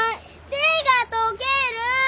手が溶ける。